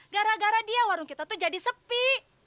gara gara dia warung kita tuh jadi sepi